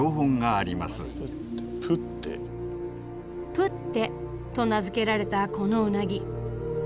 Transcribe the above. プッテと名付けられたこのウナギ。